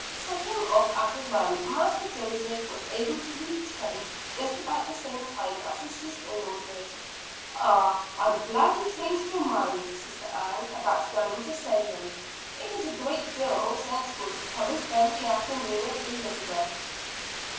Setting off at a run, Master Joseph was able to reach home just about the same time as his sister in law did. "Ah! I am glad you changed your mind, Sister Ann, about going to Salem. It is a great deal more sensible to come and spend the afternoon with Elizabeth."